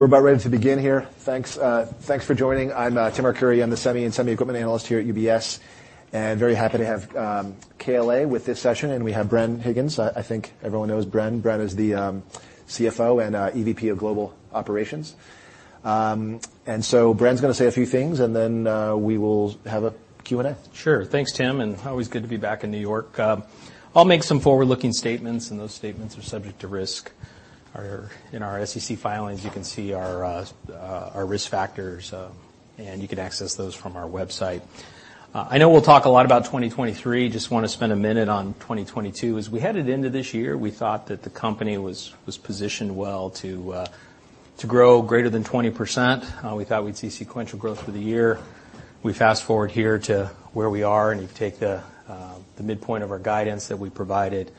We're about ready to begin here. Thanks, thanks for joining. I'm Tim Arcuri. I'm the semi and semi equipment analyst here at UBS. Very happy to have KLA with this session, and we have Bren Higgins. I think everyone knows Bren. Bren is the CFO and EVP of Global Operations. Bren's gonna say a few things, and then we will have a Q&A. Sure. Thanks, Tim. Always good to be back in New York. I'll make some forward-looking statements. Those statements are subject to risk. In our SEC filings, you can see our risk factors. You can access those from our website. I know we'll talk a lot about 2023. Just wanna spend a minute on 2022. As we headed into this year, we thought that the company was positioned well to grow greater than 20%. We thought we'd see sequential growth for the year. We fast-forward here to where we are. You take the midpoint of our guidance that we provided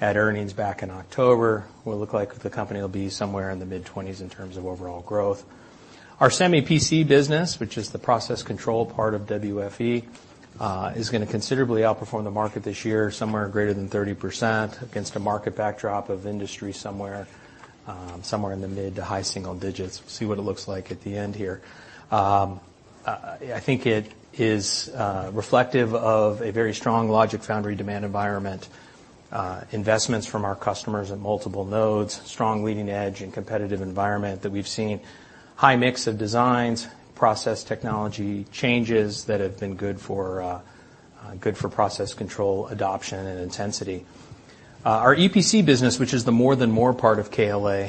at earnings back in October, it'll look like the company will be somewhere in the mid-20s in terms of overall growth. Our Semi PC business, which is the process control part of WFE, is gonna considerably outperform the market this year, somewhere greater than 30% against a market backdrop of industry somewhere in the mid to high single digits. We'll see what it looks like at the end here. I think it is reflective of a very strong logic foundry demand environment, investments from our customers at multiple nodes, strong leading edge and competitive environment that we've seen, high mix of designs, process technology changes that have been good for good for process control adoption and intensity. Our EPC business, which is the more than part of KLA,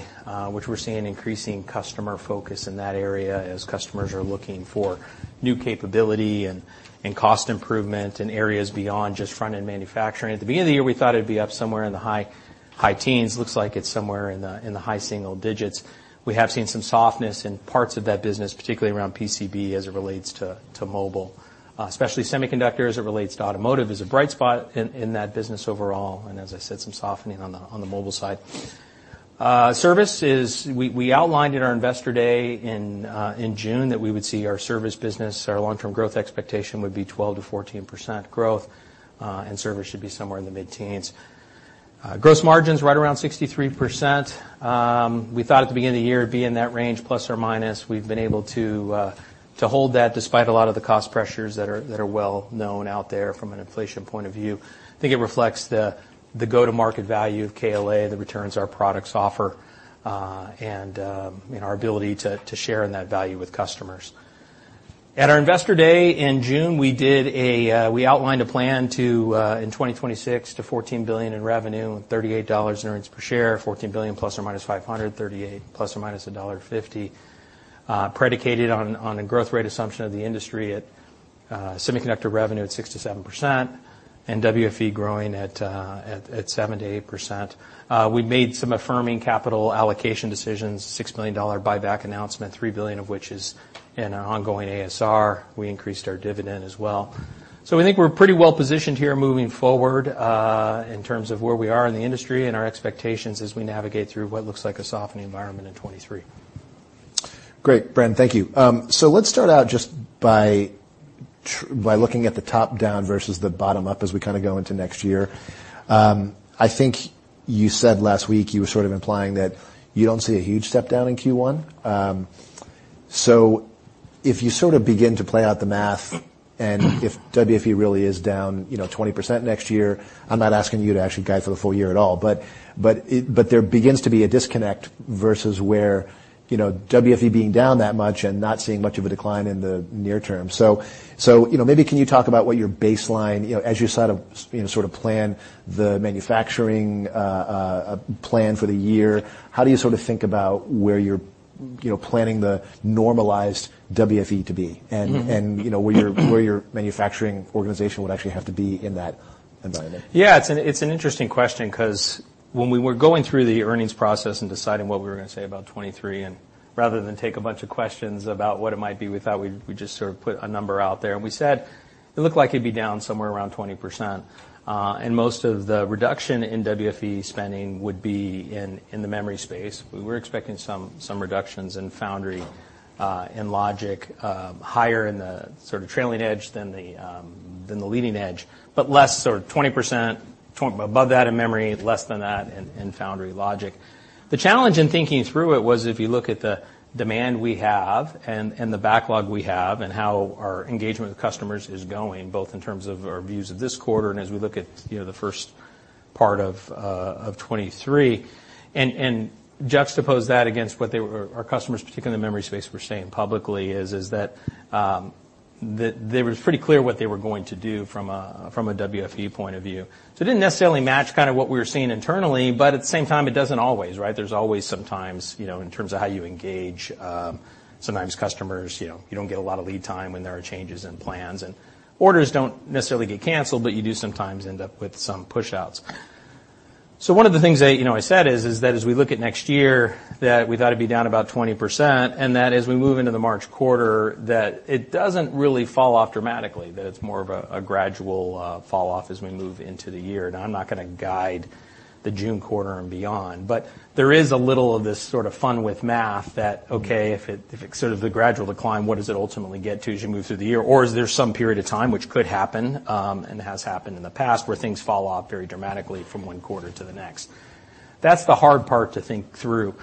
which we're seeing increasing customer focus in that area as customers are looking for new capability and cost improvement in areas beyond just front-end manufacturing. At the beginning of the year, we thought it'd be up somewhere in the high teens. Looks like it's somewhere in the high single digits. We have seen some softness in parts of that business, particularly around PCB as it relates to mobile. Especially semiconductors, it relates to automotive, is a bright spot in that business overall, and as I said, some softening on the mobile side. Service, we outlined in our investor day in June that we would see our service business, our long-term growth expectation would be 12%-14% growth, and service should be somewhere in the mid-teens. Gross margins right around 63%. We thought at the beginning of the year it'd be in that range, plus or minus. We've been able to to hold that despite a lot of the cost pressures that are well known out there from an inflation point of view. Think it reflects the go-to-market value of KLA, the returns our products offer, and, you know, our ability to share in that value with customers. At our investor day in June, we did a we outlined a plan to in 2026, to $14 billion in revenue and $38 in earnings per share, $14 billion ± $500 million, $38 ± $1.50, predicated on a growth rate assumption of the industry at semiconductor revenue at 6%-7% and WFE growing at 7%-8%. We made some affirming capital allocation decisions, $6 million buyback announcement, $3 billion of which is in an ongoing ASR. We increased our dividend as well. We think we're pretty well positioned here moving forward, in terms of where we are in the industry and our expectations as we navigate through what looks like a softening environment in 2023. Great, Bren. Thank you. Let's start out just by looking at the top-down versus the bottom-up as we kind of go into next year. I think you said last week, you were sort of implying that you don't see a huge step down in Q1. If you sort of begin to play out the math and if WFE really is down, you know, 20% next year, I'm not asking you to actually guide for the full year at all, but there begins to be a disconnect versus where, you know, WFE being down that much and not seeing much of a decline in the near term. so, you know, maybe can you talk about what your baseline, you know, as you sort of, you know, sort of plan the manufacturing, plan for the year, how do you sort of think about where you're, you know, planning the normalized WFE to be. Mm-hmm... and, you know, where your manufacturing organization would actually have to be in that environment? It's an interesting question 'cause when we were going through the earnings process and deciding what we were gonna say about 2023, rather than take a bunch of questions about what it might be, we thought we'd just sort of put a number out there. We said it looked like it'd be down somewhere around 20%, most of the reduction in WFE spending would be in the memory space. We were expecting some reductions in foundry, logic, higher in the sort of trailing edge than the leading edge, less or 20%, above that in memory, less than that in foundry logic. The challenge in thinking through it was if you look at the demand we have and the backlog we have and how our engagement with customers is going, both in terms of our views of this quarter and as we look at, you know, the first part of 23, and juxtapose that against what our customers, particularly in the memory space, were saying publicly, is that they were pretty clear what they were going to do from a WFE point of view. It didn't necessarily match kind of what we were seeing internally. At the same time, it doesn't always, right? There's always some times, you know, in terms of how you engage, sometimes customers, you know, you don't get a lot of lead time when there are changes in plans, and orders don't necessarily get canceled, but you do sometimes end up with some push outs. One of the things that, you know, I said is that as we look at next year, that we thought it'd be down about 20%, and that as we move into the March quarter, that it doesn't really fall off dramatically, that it's more of a gradual fall off as we move into the year. I'm not gonna guide the June quarter and beyond, but there is a little of this sort of fun with math that, okay, if it's sort of the gradual decline, what does it ultimately get to as you move through the year? Is there some period of time which could happen, and has happened in the past, where things fall off very dramatically from one quarter to the next? That's the hard part to think through.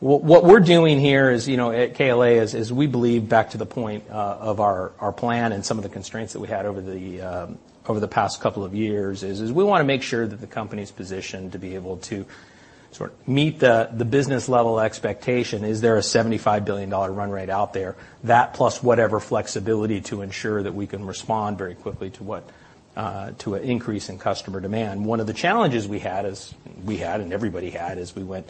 What we're doing here is, you know, at KLA is we believe back to the point of our plan and some of the constraints that we had over the past couple of years, is we wanna make sure that the company's positioned to be able to sort of meet the business level expectation. Is there a $75 billion run rate out there? That plus whatever flexibility to ensure that we can respond very quickly to an increase in customer demand. One of the challenges we had, and everybody had, as we went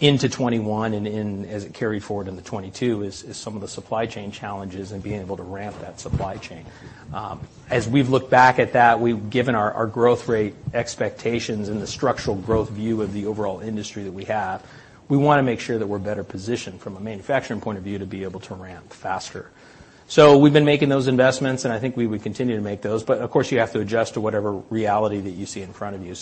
into 2021 and as it carried forward into 2022, is some of the supply chain challenges and being able to ramp that supply chain. As we've looked back at that, we've given our growth rate expectations and the structural growth view of the overall industry that we have. We wanna make sure that we're better positioned from a manufacturing point of view to be able to ramp faster. We've been making those investments, and I think we would continue to make those. Of course, you have to adjust to whatever reality that you see in front of you.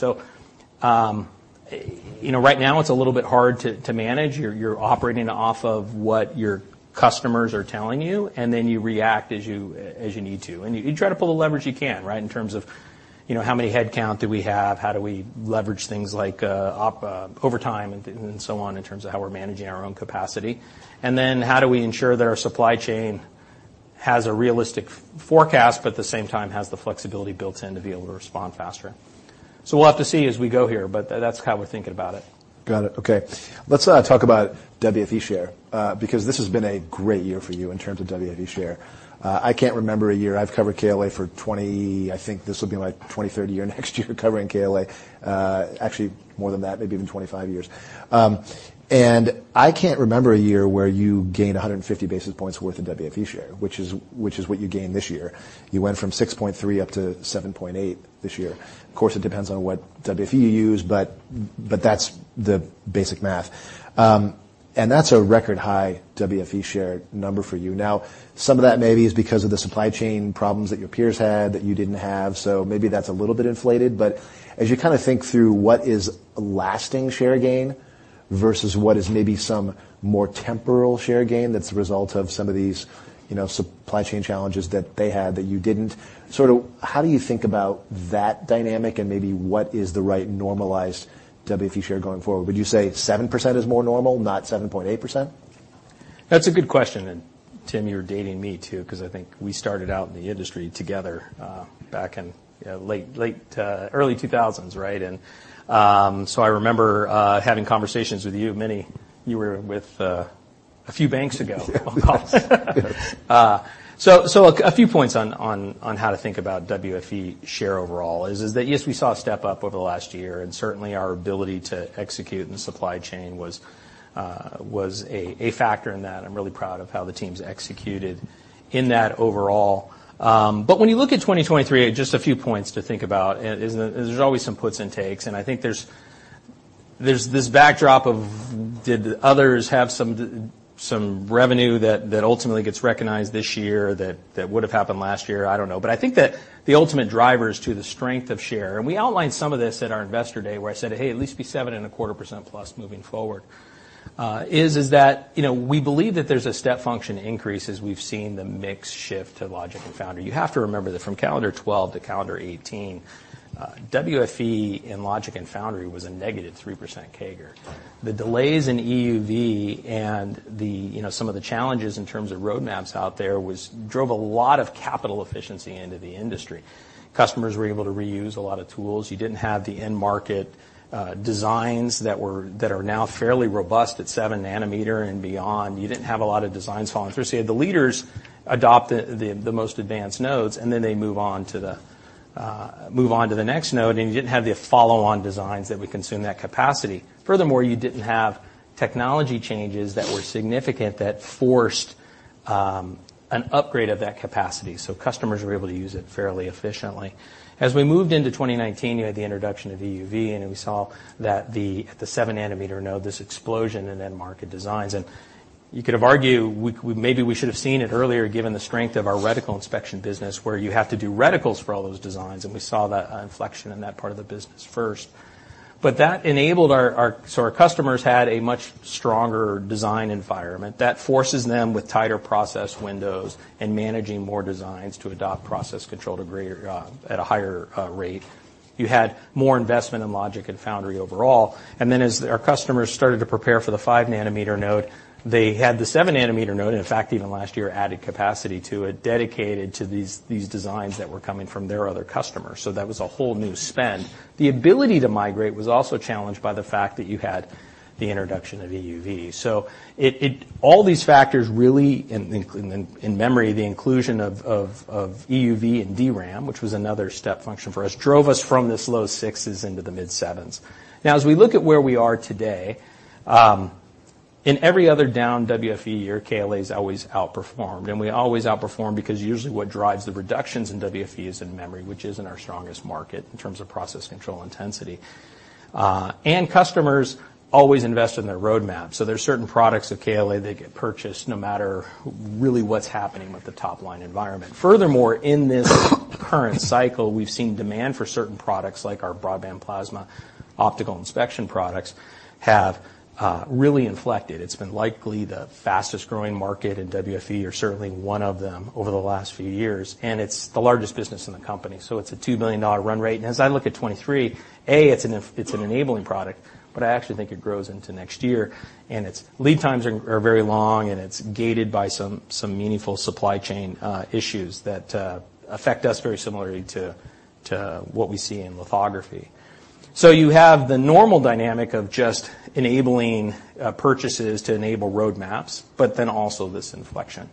You know, right now it's a little bit hard to manage. You're operating off of what your customers are telling you, and then you react as you, as you need to. You try to pull the leverage you can, right? In terms of, you know, how many headcount do we have, how do we leverage things like overtime and so on, in terms of how we're managing our own capacity. How do we ensure that our supply chain has a realistic forecast, but at the same time has the flexibility built in to be able to respond faster. We'll have to see as we go here, but that's how we're thinking about it. Got it. Okay. Let's talk about WFE share because this has been a great year for you in terms of WFE share. I can't remember a year. I've covered KLA. I think this will be my 23rd year next year covering KLA. Actually more than that, maybe even 25 years. I can't remember a year where you gained 150 basis points worth of WFE share, which is what you gained this year. You went from 6.3% up to 7.8% this year. Of course, it depends on what WFE you use, but that's the basic math. That's a record high WFE share number for you. Some of that maybe is because of the supply chain problems that your peers had that you didn't have, so maybe that's a little bit inflated. As you kind of think through what is lasting share gain versus what is maybe some more temporal share gain that's a result of some of these, you know, supply chain challenges that they had that you didn't. Sort of how do you think about that dynamic, and maybe what is the right normalized WFE share going forward? Would you say 7% is more normal, not 7.8%? That's a good question. Tim, you're dating me too, 'cause I think we started out in the industry together, back in early 2000s, right? I remember having conversations with you. You were with a few banks ago. Yeah. So a few points on how to think about WFE share overall is that, yes, we saw a step up over the last year. Certainly our ability to execute in the supply chain was a factor in that. I'm really proud of how the team's executed in that overall. When you look at 2023, just a few points to think about. There's always some puts and takes, and I think there's this backdrop of did others have some revenue that ultimately gets recognized this year that would have happened last year? I don't know. I think that the ultimate drivers to the strength of share, and we outlined some of this at our investor day, where I said, "Hey, at least be seven and a quarter percent + moving forward," is that, you know, we believe that there's a step function increase as we've seen the mix shift to logic and foundry. You have to remember that from calendar 2012 to calendar 2018, WFE in logic and foundry was a -3% CAGR. Right. The delays in EUV and the, you know, some of the challenges in terms of roadmaps out there drove a lot of capital efficiency into the industry. Customers were able to reuse a lot of tools. You didn't have the end market designs that are now fairly robust at seven nm and beyond. You didn't have a lot of designs falling through. You had the leaders adopt the most advanced nodes, they move on to the next node, you didn't have the follow-on designs that would consume that capacity. Furthermore, you didn't have technology changes that were significant that forced an upgrade of that capacity, customers were able to use it fairly efficiently. As we moved into 2019, you had the introduction of EUV, and then we saw that the seven nanometer node, this explosion in end market designs. You could have argued we maybe we should have seen it earlier, given the strength of our reticle inspection business, where you have to do reticles for all those designs, and we saw that inflection in that part of the business first. That enabled our. Our customers had a much stronger design environment. That forces them with tighter process windows and managing more designs to adopt process control to greater, at a higher rate. You had more investment in logic and foundry overall. As our customers started to prepare for the five nm node, they had the seven nm node, and in fact, even last year added capacity to it, dedicated to these designs that were coming from their other customers. That was a whole new spend. The ability to migrate was also challenged by the fact that you had the introduction of EUV. All these factors really, in memory, the inclusion of EUV and DRAM, which was another step function for us, drove us from this low 6s into the mid 7s. As we look at where we are today, in every other down WFE year, KLA's always outperformed, and we always outperform because usually what drives the reductions in WFE is in memory, which isn't our strongest market in terms of process control intensity. Customers always invest in their roadmap. There's certain products at KLA that get purchased no matter really what's happening with the top-line environment. Furthermore, in this current cycle, we've seen demand for certain products like our Broadband Plasma optical inspection products have really inflected. It's been likely the fastest-growing market in WFE, or certainly one of them, over the last few years, and it's the largest business in the company. It's a $2 billion run rate. As I look at 2023, it's an enabling product, but I actually think it grows into next year, and its lead times are very long, and it's gated by some meaningful supply chain issues that affect us very similarly to what we see in lithography. You have the normal dynamic of just enabling purchases to enable roadmaps, but then also this inflection.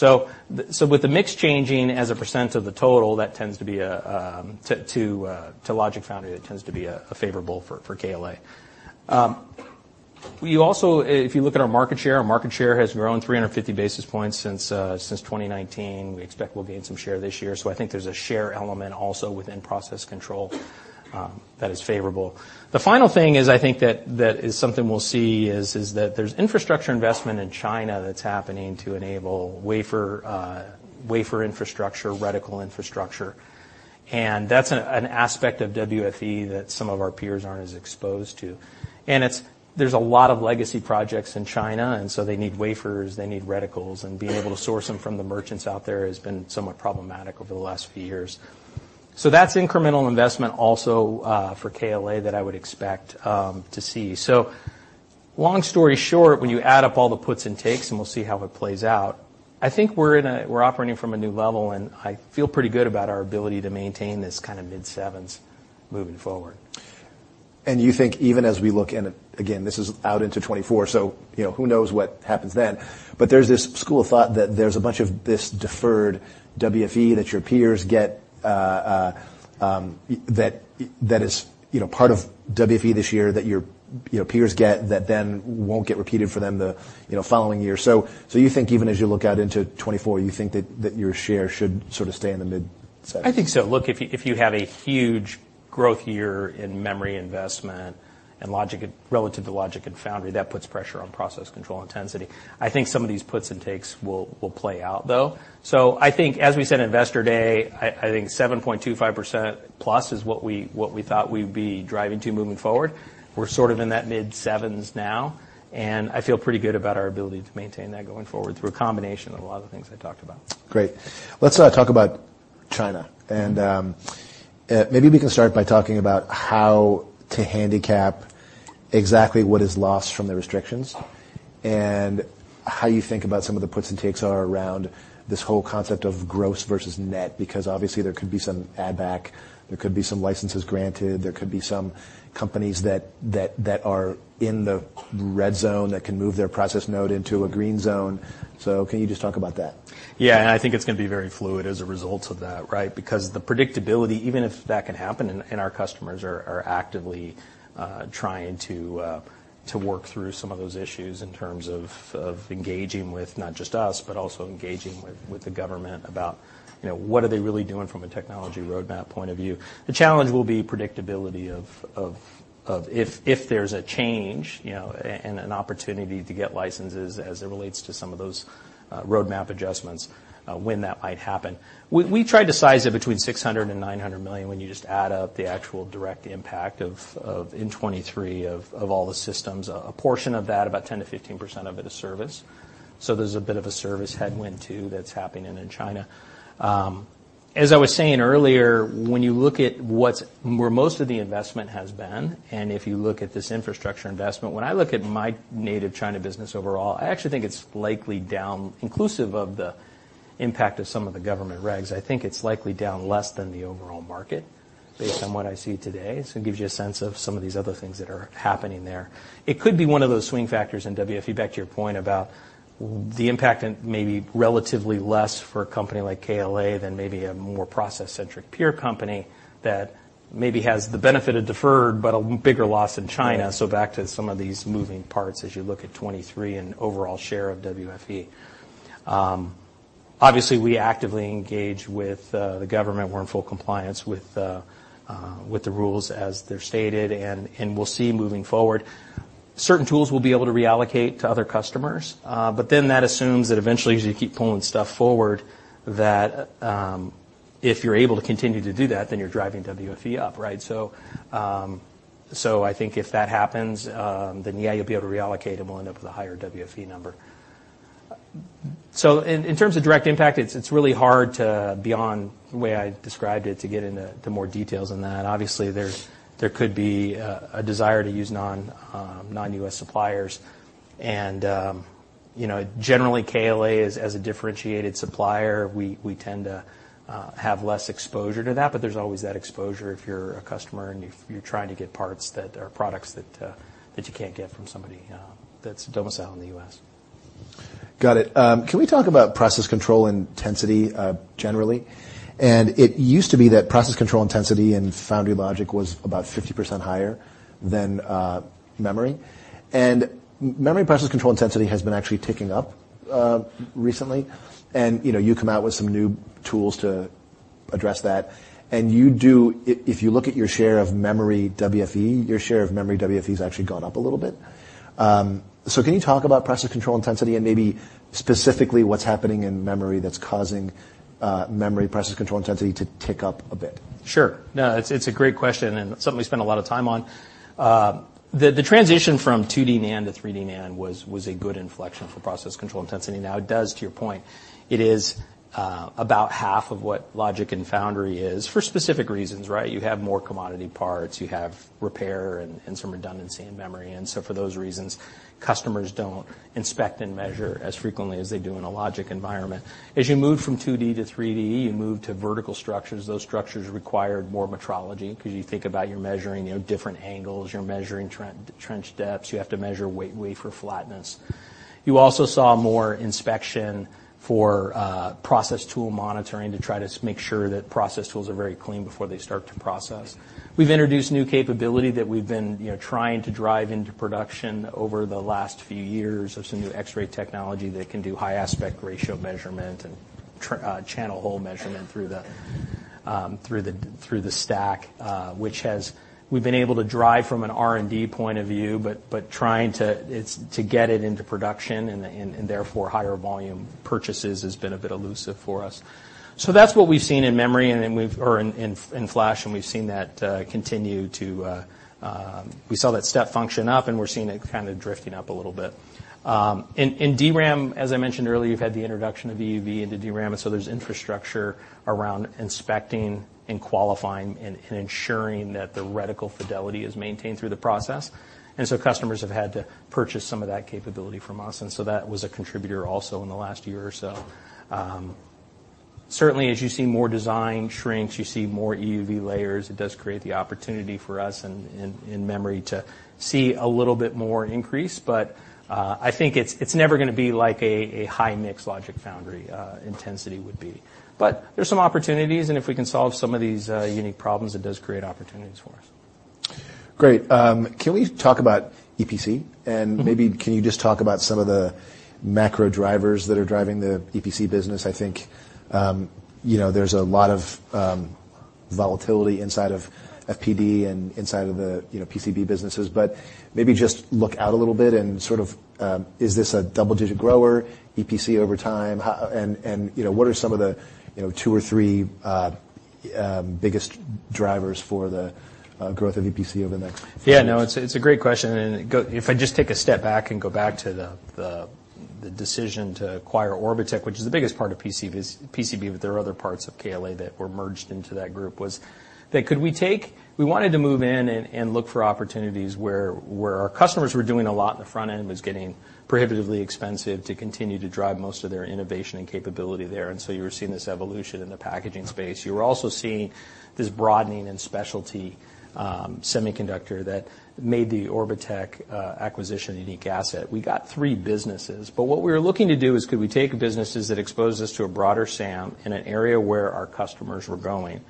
With the mix changing as a % of the total, that tends to be to logic foundry, that tends to be favorable for KLA. We also, if you look at our market share, our market share has grown 350 basis points since 2019. We expect we'll gain some share this year. I think there's a share element also within process control that is favorable. The final thing is I think that is something we'll see is that there's infrastructure investment in China that's happening to enable wafer infrastructure, reticle infrastructure, and that's an aspect of WFE that some of our peers aren't as exposed to. There's a lot of legacy projects in China, and so they need wafers, they need reticles, and being able to source them from the merchants out there has been somewhat problematic over the last few years. That's incremental investment also for KLA that I would expect to see. Long story short, when you add up all the puts and takes, and we'll see how it plays out, I think we're operating from a new level, and I feel pretty good about our ability to maintain this kind of mid-sevens moving forward. You think even as we look, again, this is out into 2024, you know, who knows what happens then? There's this school of thought that there's a bunch of this deferred WFE that your peers get, that is, you know, part of WFE this year that your, you know, peers get that then won't get repeated for them the, you know, following year. You think even as you look out into 2024, you think that your share should sort of stay in the mid-7s? I think so. Look, if you have a huge growth year in memory investment and logic relative to logic and foundry, that puts pressure on process control intensity. I think some of these puts and takes will play out, though. I think, as we said in Investor Day, I think 7.25%+ is what we thought we'd be driving to moving forward. We're sort of in that mid-sevens now, and I feel pretty good about our ability to maintain that going forward through a combination of a lot of the things I talked about. Great. Let's talk about China. Mm-hmm. Maybe we can start by talking about how to handicap exactly what is lost from the restrictions and how you think about some of the puts and takes are around this whole concept of gross versus net, because obviously there could be some add back, there could be some licenses granted, there could be some companies that are in the red zone that can move their process node into a green zone. Can you just talk about that? I think it's gonna be very fluid as a result of that, right? Because the predictability, even if that can happen, and our customers are actively trying to work through some of those issues in terms of engaging with not just us, but also engaging with the government about, you know, what are they really doing from a technology roadmap point of view. The challenge will be predictability of if there's a change, you know, and an opportunity to get licenses as it relates to some of those roadmap adjustments when that might happen. We tried to size it between $600 million and $900 million when you just add up the actual direct impact of in 2023 of all the systems. A, a portion of that, about 10%-15% of it is service. There's a bit of a service headwind too that's happening in China. As I was saying earlier, when you look at where most of the investment has been, and if you look at this infrastructure investment, when I look at my native China business overall, I actually think it's likely down, inclusive of the impact of some of the government regs, I think it's likely down less than the overall market based on what I see today. It gives you a sense of some of these other things that are happening there. It could be one of those swing factors in WFE, back to your point about the impact and maybe relatively less for a company like KLA than maybe a more process-centric peer company that maybe has the benefit of deferred, but a bigger loss in China. Right. Back to some of these moving parts as you look at 2023 and overall share of WFE. Obviously, we actively engage with the government. We're in full compliance with the rules as they're stated, and we'll see moving forward. Certain tools we'll be able to reallocate to other customers. That assumes that eventually, as you keep pulling stuff forward, that if you're able to continue to do that, then you're driving WFE up, right? I think if that happens, then yeah, you'll be able to reallocate and we'll end up with a higher WFE number. In terms of direct impact, it's really hard to, beyond the way I described it, to get into more details than that. Obviously, there's a desire to use non non-U.S. suppliers. You know, generally KLA as a differentiated supplier, we tend to have less exposure to that, but there's always that exposure if you're a customer and you're trying to get parts that are products that you can't get from somebody that's domiciled in the U.S. Got it. Can we talk about process control intensity generally? It used to be that process control intensity in foundry logic was about 50% higher than memory. Memory process control intensity has been actually ticking up recently. You know, you come out with some new tools to address that. You do, if you look at your share of memory WFE, your share of memory WFE has actually gone up a little bit. Can you talk about process control intensity and maybe specifically what's happening in memory that's causing memory process control intensity to tick up a bit? Sure. No, it's a great question and something we spend a lot of time on. The transition from 2D NAND to 3D NAND was a good inflection for process control intensity. It does, to your point, it is about half of what logic and foundry is for specific reasons, right? You have more commodity parts, you have repair and some redundancy in memory, for those reasons, customers don't inspect and measure as frequently as they do in a logic environment. As you move from 2D to 3D, you move to vertical structures. Those structures required more metrology 'cause you think about you're measuring, you know, different angles, you're measuring trench depths, you have to measure wafer flatness. You also saw more inspection for process tool monitoring to try to make sure that process tools are very clean before they start to process. We've introduced new capability that we've been, you know, trying to drive into production over the last few years of some new X-ray technology that can do high aspect ratio measurement and channel hole measurement through the stack, which has, we've been able to drive from an R&D point of view, but trying to get it into production and therefore higher volume purchases has been a bit elusive for us. That's what we've seen in memory, or in flash, and we've seen that continue to. We saw that step function up, and we're seeing it kind of drifting up a little bit. In DRAM, as I mentioned earlier, you've had the introduction of EUV into DRAM, and so there's infrastructure around inspecting and qualifying and ensuring that the reticle fidelity is maintained through the process. Customers have had to purchase some of that capability from us, and so that was a contributor also in the last year or so. Certainly as you see more design shrinks, you see more EUV layers, it does create the opportunity for us in memory to see a little bit more increase. I think it's never gonna be like a high-mix logic foundry intensity would be. There's some opportunities, and if we can solve some of these unique problems, it does create opportunities for us. Great. Can we talk about EPC? Mm-hmm. Maybe can you just talk about some of the macro drivers that are driving the EPC business? I think, you know, there's a lot of volatility inside of FPD and inside of the, you know, PCB businesses. Maybe just look out a little bit and sort of, is this a double-digit grower, EPC over time? How... And, you know, what are some of the, you know, two or three biggest drivers for the growth of EPC over the next few years? Yeah, no, it's a great question. If I just take a step back and go back to the decision to acquire Orbotech, which is the biggest part of PCB, but there are other parts of KLA that were merged into that group, was that we wanted to move in and look for opportunities where our customers were doing a lot in the front end, was getting prohibitively expensive to continue to drive most of their innovation and capability there, and so you were seeing this evolution in the packaging space. You were also seeing this broadening in specialty semiconductor that made the Orbotech acquisition a unique asset. We got three businesses, what we were looking to do is could we take businesses that exposed us to a broader SAM in an area where our customers were going,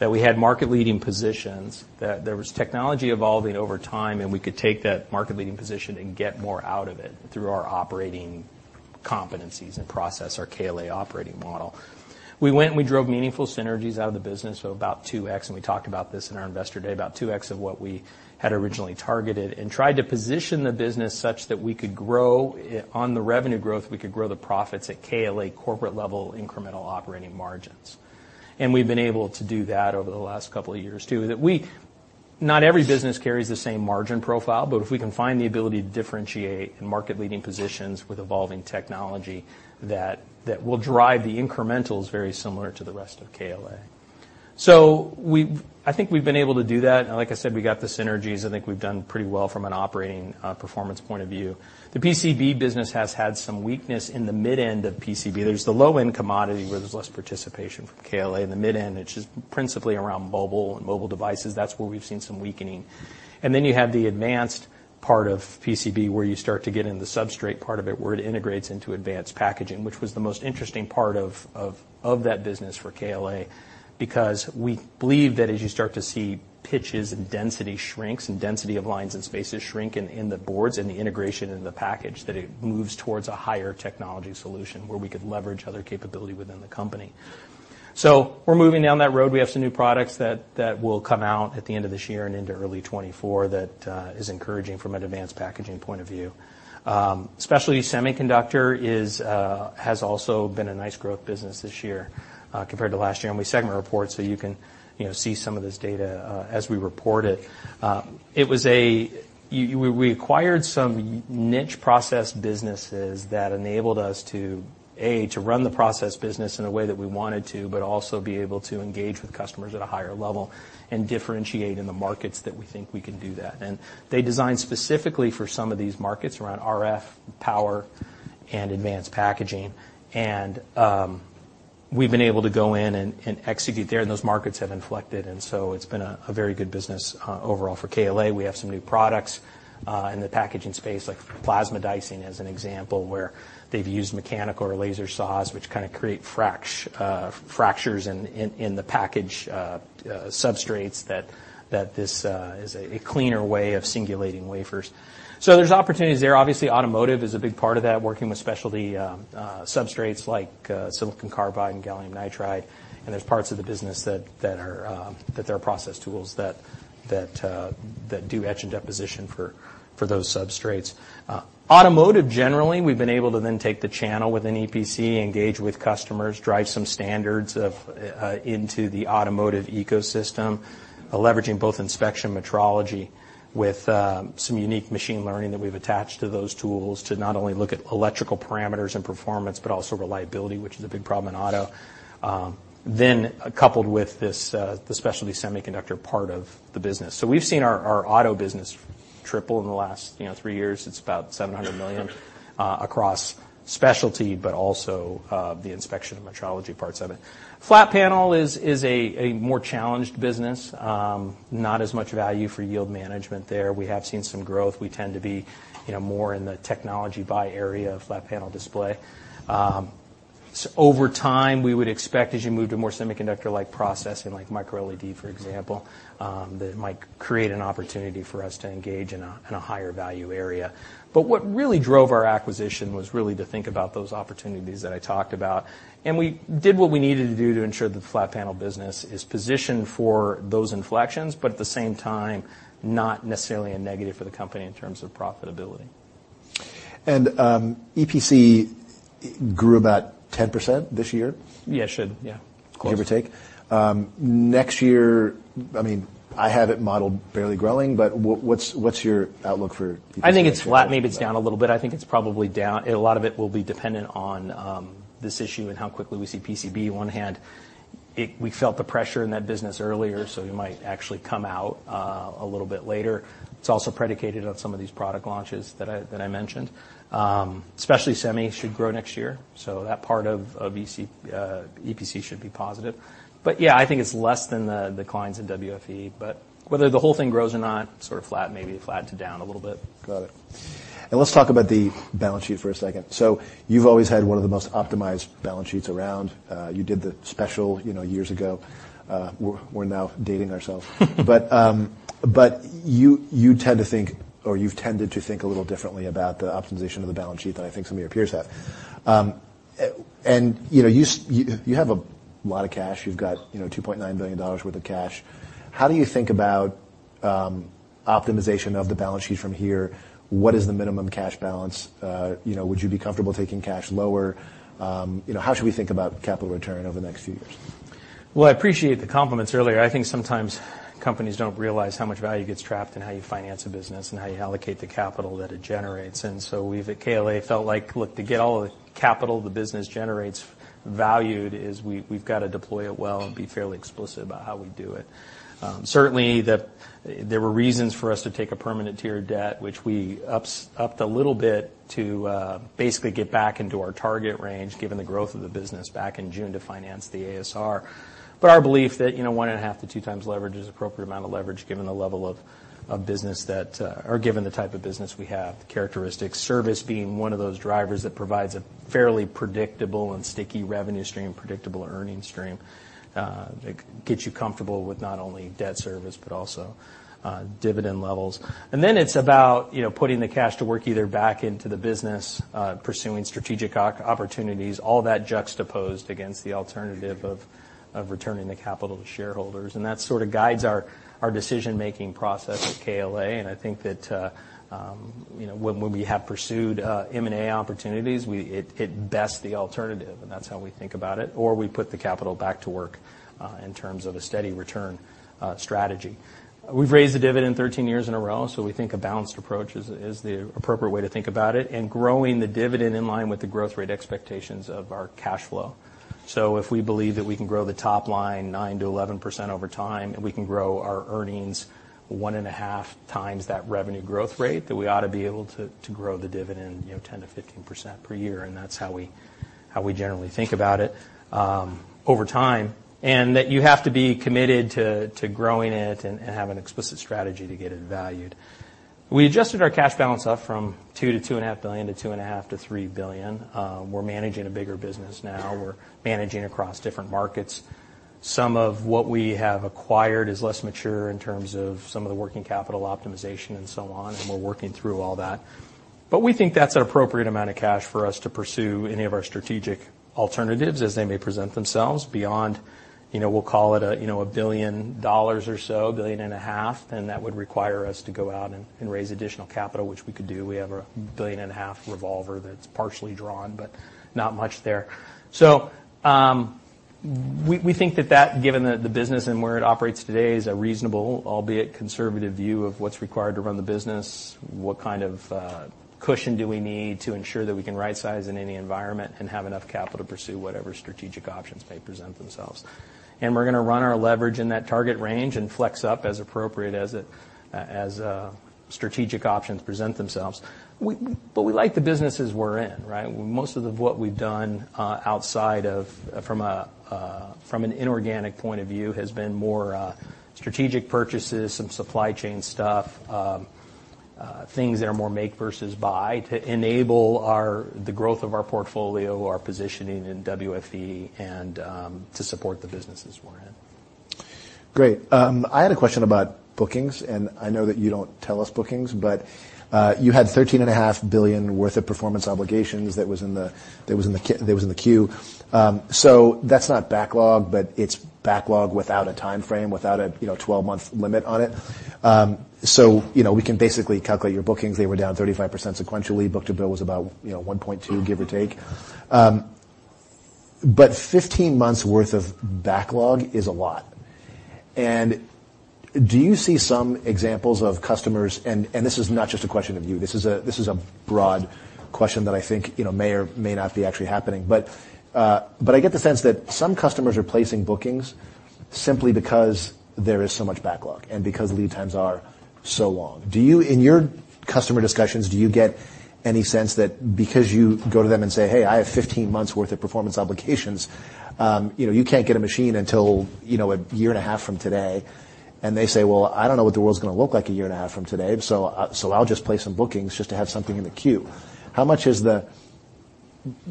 that we had market-leading positions, that there was technology evolving over time, we could take that market-leading position and get more out of it through our operating competencies and process, our KLA operating model. We went we drove meaningful synergies out of the business, about 2x, we talked about this in our investor day, about 2x of what we had originally targeted, tried to position the business such that we could grow, on the revenue growth, we could grow the profits at KLA corporate level incremental operating margins. We've been able to do that over the last couple of years too. Not every business carries the same margin profile, but if we can find the ability to differentiate in market-leading positions with evolving technology, that will drive the incrementals very similar to the rest of KLA. I think we've been able to do that, and like I said, we got the synergies. I think we've done pretty well from an operating performance point of view. The PCB business has had some weakness in the mid-end of PCB. There's the low-end commodity where there's less participation from KLA. In the mid-end, it's just principally around mobile and mobile devices. That's where we've seen some weakening. You have the advanced part of PCB, where you start to get in the substrate part of it, where it integrates into advanced packaging, which was the most interesting part of that business for KLA. We believe that as you start to see pitches and density shrinks and density of lines and spaces shrink in the boards and the integration in the package, that it moves towards a higher technology solution where we could leverage other capability within the company. We're moving down that road. We have some new products that will come out at the end of this year and into early 2024 that is encouraging from an advanced packaging point of view. Specialty semiconductor is has also been a nice growth business this year compared to last year, and we segment our reports, so you can, you know, see some of this data as we report it. You. We acquired some niche process businesses that enabled us to, A, to run the process business in a way that we wanted to, but also be able to engage with customers at a higher level and differentiate in the markets that we think we can do that. They design specifically for some of these markets around RF, power, and advanced packaging. We've been able to go in and execute there, and those markets have inflected, and so it's been a very good business overall for KLA. We have some new products in the packaging space, like plasma dicing as an example, where they've used mechanical or laser saws, which kind of create fractures in the package substrates that this is a cleaner way of singulating wafers. There's opportunities there. Obviously, automotive is a big part of that, working with specialty substrates like silicon carbide and gallium nitride, there's parts of the business that are process tools that do etch and deposition for those substrates. Automotive generally, we've been able to take the channel within EPC, engage with customers, drive some standards into the automotive ecosystem, leveraging both inspection metrology with some unique machine learning that we've attached to those tools to not only look at electrical parameters and performance, but also reliability, which is a big problem in auto. Coupled with this, the specialty semiconductor part of the business. We've seen our auto business triple in the last, you know, three years. It's about $700 million across specialty, but also the inspection and metrology parts of it. Flat panel is a more challenged business. Not as much value for yield management there. We have seen some growth. We tend to be, you know, more in the technology buy area of flat panel display. Over time, we would expect as you move to more semiconductor-like processing, like MicroLED, for example, that might create an opportunity for us to engage in a higher value area. What really drove our acquisition was really to think about those opportunities that I talked about. We did what we needed to do to ensure the flat panel business is positioned for those inflections, but at the same time, not necessarily a negative for the company in terms of profitability. EPC grew about 10% this year. Yeah, it should. Yeah. Of course. Give or take. next year, I mean, I have it modeled barely growing, but what's your outlook for EPC next year? I think it's flat, maybe it's down a little bit. I think it's probably down. A lot of it will be dependent on this issue and how quickly we see PCB. One hand, we felt the pressure in that business earlier, so we might actually come out a little bit later. It's also predicated on some of these product launches that I mentioned. Especially Semi PC should grow next year, so that part of EPC should be positive. Yeah, I think it's less than the declines in WFE. Whether the whole thing grows or not, sort of flat, maybe flat to down a little bit. Got it. Let's talk about the balance sheet for a second. You've always had one of the most optimized balance sheets around. You did the special, you know, years ago. We're now dating ourselves. But you tend to think or you've tended to think a little differently about the optimization of the balance sheet than I think some of your peers have. And, you know, you have a lot of cash. You've got, you know, $2.9 billion worth of cash. How do you think about optimization of the balance sheet from here? What is the minimum cash balance? You know, would you be comfortable taking cash lower? You know, how should we think about capital return over the next few years? Well, I appreciate the compliments earlier. I think sometimes companies don't realize how much value gets trapped in how you finance a business and how you allocate the capital that it generates. We've, at KLA, felt like, look, to get all the capital the business generates valued is we've got to deploy it well and be fairly explicit about how we do it. Certainly there were reasons for us to take a permanent tier debt, which we upped a little bit to basically get back into our target range, given the growth of the business back in June to finance the ASR. Our belief that, you know, 1.5x-2x leverage is appropriate amount of leverage given the level of business that or given the type of business we have, the characteristics. Service being one of those drivers that provides a fairly predictable and sticky revenue stream, predictable earnings stream, that gets you comfortable with not only debt service, but also dividend levels. It's about, you know, putting the cash to work either back into the business, pursuing strategic opportunities, all that juxtaposed against the alternative of returning the capital to shareholders. That sort of guides our decision-making process at KLA. I think that, you know, when we have pursued M&A opportunities, it bests the alternative, and that's how we think about it. We put the capital back to work in terms of a steady return strategy. We've raised the dividend 13 years in a row, so we think a balanced approach is the appropriate way to think about it, and growing the dividend in line with the growth rate expectations of our cash flow. If we believe that we can grow the top line 9%-11% over time, and we can grow our earnings one and a half times that revenue growth rate, that we ought to be able to grow the dividend, you know, 10%-15% per year. That's how we generally think about it over time. That you have to be committed to growing it and have an explicit strategy to get it valued. We adjusted our cash balance up from $2 billion-$2.5 billion to $2.5 billion-$3 billion. We're managing a bigger business now. We're managing across different markets. Some of what we have acquired is less mature in terms of some of the working capital optimization and so on, and we're working through all that. We think that's an appropriate amount of cash for us to pursue any of our strategic alternatives as they may present themselves beyond, you know, we'll call it a, you know, $1 billion or so, $1.5 billion, then that would require us to go out and raise additional capital, which we could do. We have a $1.5 billion revolver that's partially drawn, but not much there. We think that, given the business and where it operates today, is a reasonable albeit conservative view of what's required to run the business, what kind of cushion do we need to ensure that we can right size in any environment and have enough capital to pursue whatever strategic options may present themselves. We're gonna run our leverage in that target range and flex up as appropriate as strategic options present themselves. We like the businesses we're in, right? Most of what we've done, outside of, from an inorganic point of view, has been more, strategic purchases, some supply chain stuff, things that are more make versus buy to enable the growth of our portfolio, our positioning in WFE and, to support the businesses we're in. Great. I had a question about bookings. I know that you don't tell us bookings, but you had $13.5 billion worth of performance obligations that was in the queue. That's not backlog, but it's backlog without a timeframe, without a, you know, 12-month limit on it. You know, we can basically calculate your bookings. They were down 35% sequentially. Book to bill was about, you know, 1.2, give or take. 15 months worth of backlog is a lot. Do you see some examples of customers, and this is not just a question of you, this is a broad question that I think, you know, may or may not be actually happening, but I get the sense that some customers are placing bookings simply because there is so much backlog and because lead times are so long. Do you, in your customer discussions, do you get any sense that because you go to them and say, "Hey, I have 15 months worth of performance obligations, you know, you can't get a machine until, you know, a year and a half from today." They say, "Well, I don't know what the world's gonna look like a year and a half from today, so I'll just place some bookings just to have something in the queue." How much is the...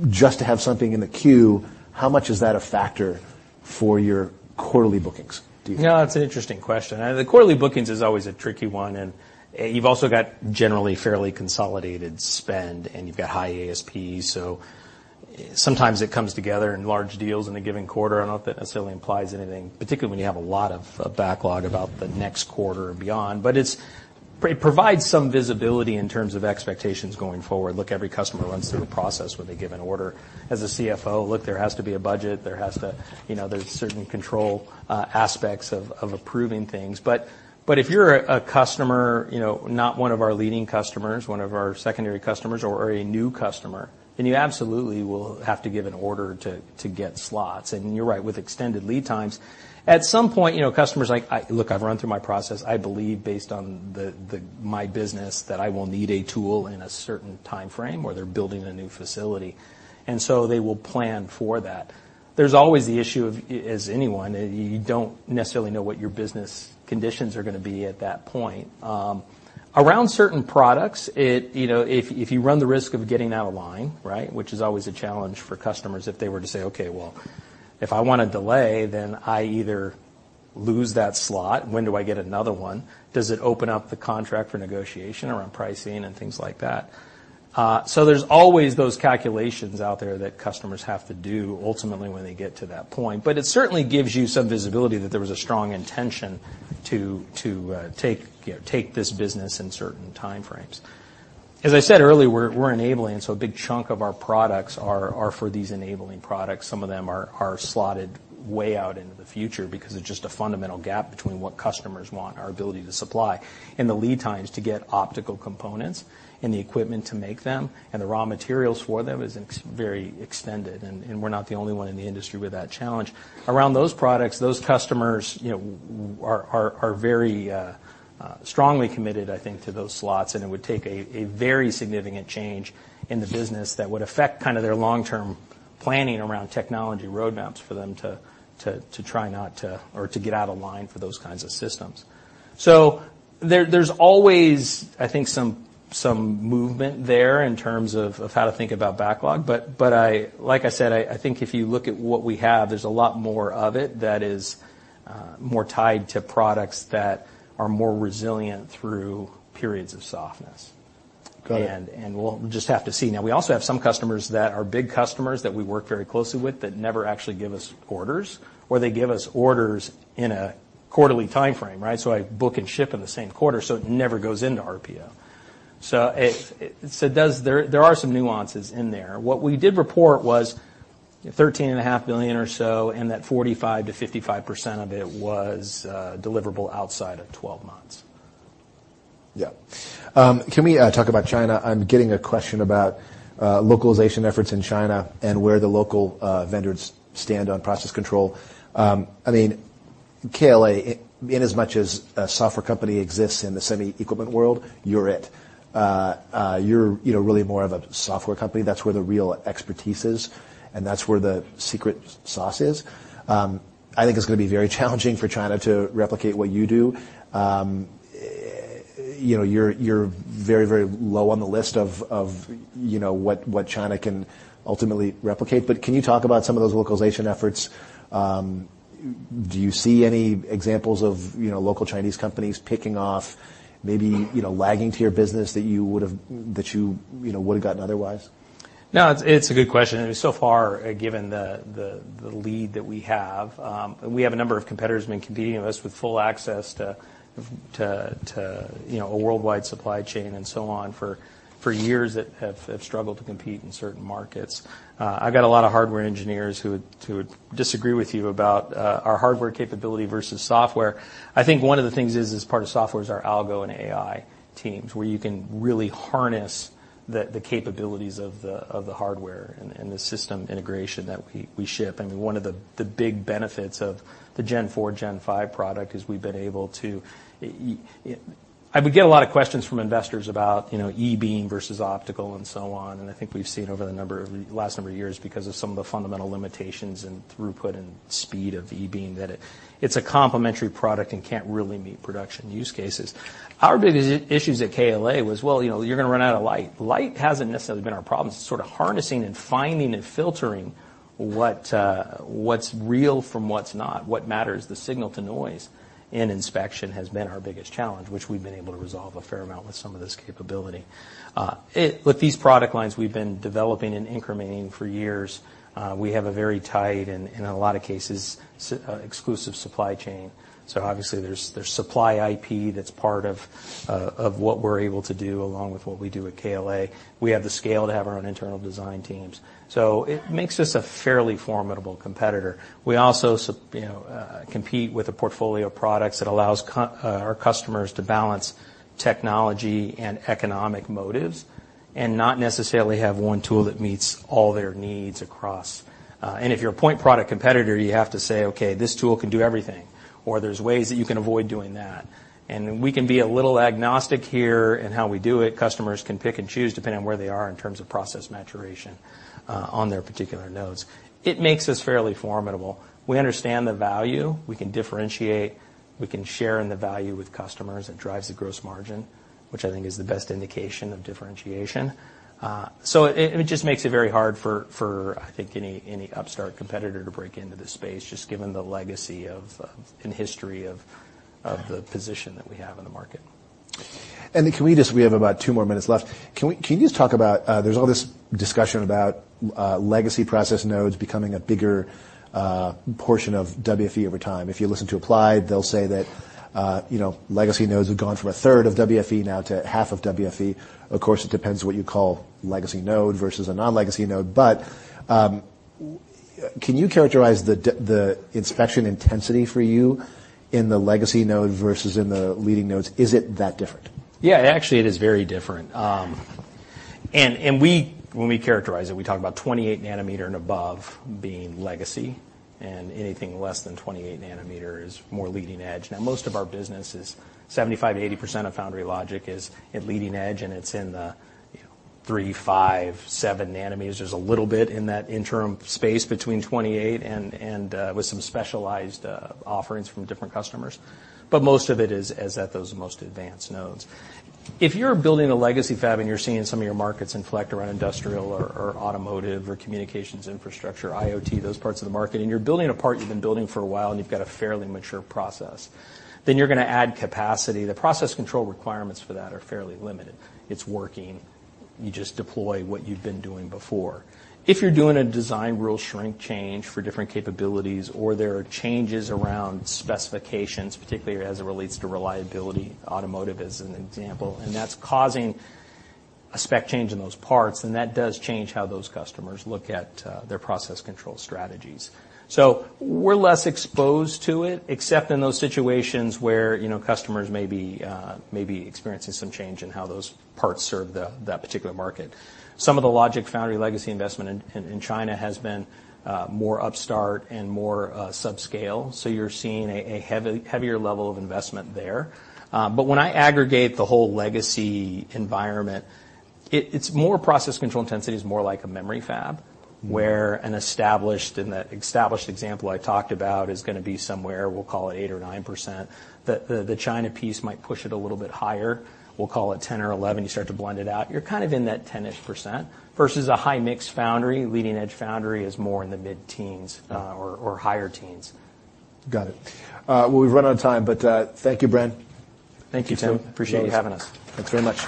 Just to have something in the queue, how much is that a factor for your quarterly bookings, do you think? No, it's an interesting question, and the quarterly bookings is always a tricky one, and you've also got generally fairly consolidated spend, and you've got high ASP. Sometimes it comes together in large deals in a given quarter. I don't know if that necessarily implies anything, particularly when you have a lot of backlog about the next quarter and beyond. It provides some visibility in terms of expectations going forward. Look, every customer runs through the process when they give an order. As a CFO, look, there has to be a budget. You know, there's certain control aspects of approving things. If you're a customer, you know, not one of our leading customers, one of our secondary customers or a new customer, then you absolutely will have to give an order to get slots. You're right, with extended lead times, at some point, you know, customers are like, "Look, I've run through my process. I believe, based on the, my business, that I will need a tool in a certain timeframe," or they're building a new facility. So they will plan for that. There's always the issue of, as anyone, you don't necessarily know what your business conditions are gonna be at that point. Around certain products, You know, if you run the risk of getting out of line, right? Which is always a challenge for customers, if they were to say, "Okay, well, if I wanna delay, then I either lose that slot. When do I get another one? Does it open up the contract for negotiation around pricing and things like that? There's always those calculations out there that customers have to do ultimately when they get to that point. It certainly gives you some visibility that there was a strong intention to take, you know, take this business in certain timeframes. As I said earlier, we're enabling, so a big chunk of our products are for these enabling products. Some of them are slotted way out into the future because there's just a fundamental gap between what customers want, our ability to supply, and the lead times to get optical components and the equipment to make them, and the raw materials for them is very extended, and we're not the only one in the industry with that challenge. Around those products, those customers, you know, are very strongly committed, I think, to those slots, and it would take a very significant change in the business that would affect kind of their long-term planning around technology roadmaps for them to try not to or to get out of line for those kinds of systems. So there's always, I think, some movement there in terms of how to think about backlog, but I, like I said, I think if you look at what we have, there's a lot more of it that is more tied to products that are more resilient through periods of softness. Got it. We'll just have to see. Now, we also have some customers that are big customers that we work very closely with that never actually give us orders, or they give us orders in a quarterly timeframe, right? I book and ship in the same quarter, so it never goes into RPO. There are some nuances in there. What we did report was thirteen and a half billion or so, and that 45%-55% of it was deliverable outside of 12 months. Yeah. Can we talk about China? I'm getting a question about localization efforts in China and where the local vendors stand on process control. I mean, KLA, in as much as a software company exists in the semi equipment world, you're it. You're, you know, really more of a software company. That's where the real expertise is, that's where the secret sauce is. I think it's gonna be very challenging for China to replicate what you do. You know, you're very, very low on the list of, you know, what China can ultimately replicate. Can you talk about some of those localization efforts? Do you see any examples of, you know, local Chinese companies picking off maybe, you know, lagging to your business that you would have, that you know, would've gotten otherwise? No, it's a good question. So far, given the lead that we have, we have a number of competitors who've been competing with us with full access to, you know, a worldwide supply chain and so on for years that have struggled to compete in certain markets. I've got a lot of hardware engineers who would disagree with you about our hardware capability versus software. I think one of the things is, as part of software, is our algo and AI teams, where you can really harness the capabilities of the hardware and the system integration that we ship. One of the big benefits of the Gen4, Gen5 product is we've been able to... I would get a lot of questions from investors about, you know, e-beam versus optical and so on. I think we've seen over the last number of years, because of some of the fundamental limitations in throughput and speed of e-beam, that it's a complementary product and can't really meet production use cases. Our big issues at KLA was, well, you know, you're gonna run out of light. Light hasn't necessarily been our problem. It's sort of harnessing and finding and filtering what's real from what's not, what matters, the signal-to-noise in inspection has been our biggest challenge, which we've been able to resolve a fair amount with some of this capability. With these product lines we've been developing and incrementing for years, we have a very tight and, in a lot of cases, exclusive supply chain. Obviously there's supply IP that's part of what we're able to do along with what we do at KLA. We have the scale to have our own internal design teams. It makes us a fairly formidable competitor. We also you know, compete with a portfolio of products that allows our customers to balance technology and economic motives, and not necessarily have one tool that meets all their needs across. If you're a point product competitor, you have to say, "Okay, this tool can do everything," or there's ways that you can avoid doing that. We can be a little agnostic here in how we do it. Customers can pick and choose depending on where they are in terms of process maturation on their particular nodes. It makes us fairly formidable. We understand the value. We can differentiate. We can share in the value with customers. It drives the gross margin, which I think is the best indication of differentiation. It, it just makes it very hard for, I think, any upstart competitor to break into this space, just given the legacy of, and history of KLA.Of the position that we have in the market. Then can we just. We have about two more minutes left. Can you just talk about, there's all this discussion about legacy process nodes becoming a bigger portion of WFE over time. If you listen to Applied, they'll say that, you know, legacy nodes have gone from 1/3 of WFE now to 1/2 of WFE. Of course, it depends what you call legacy node versus a non-legacy node. Can you characterize the inspection intensity for you in the legacy node versus in the leading nodes? Is it that different? Yeah. Actually, it is very different. When we characterize it, we talk about 28 nanometer and above being legacy, and anything less than 28 nanometer is more leading edge. Most of our business is 75%-80% of foundry logic is at leading edge, and it's in the, you know, three, five, seven nanometers. There's a little bit in that interim space between 28 and, with some specialized offerings from different customers, but most of it is at those most advanced nodes. If you're building a legacy fab, and you're seeing some of your markets inflect around industrial or automotive or communications infrastructure, IoT, those parts of the market, and you're building a part you've been building for a while, and you've got a fairly mature process, you're gonna add capacity. The process control requirements for that are fairly limited. It's working. You just deploy what you've been doing before. If you're doing a design rule shrink change for different capabilities or there are changes around specifications, particularly as it relates to reliability, automotive as an example, and that's causing a spec change in those parts, then that does change how those customers look at their process control strategies. We're less exposed to it, except in those situations where, you know, customers may be experiencing some change in how those parts serve the, that particular market. Some of the logic foundry legacy investment in China has been more upstart and more subscale, so you're seeing a heavier level of investment there. When I aggregate the whole legacy environment, it's more process control intensity is more like a memory fab, where an established, in the established example I talked about, is gonna be somewhere, we'll call it 8% or 9%. The China piece might push it a little bit higher. We'll call it 10% or 11%. You start to blend it out. You're kind of in that 10-ish% versus a high-mix foundry. Leading-edge foundry is more in the mid-teens, or higher teens. Got it. Well, we've run out of time, but, thank you, Bren. Thank you, Tim. Appreciate you having us. Thanks very much.